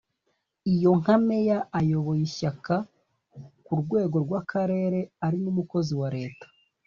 iyo nka Meya ayoboye ishyaka ku rwego rw’akarere ari n’umukozi wa Leta